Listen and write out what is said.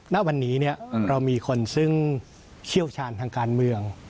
ณวันนี้เรามีคนซึ่งเชี่ยวชาญทางการเมือง